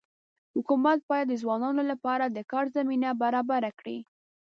حکومت باید د ځوانانو لپاره د کار زمینه برابره کړي.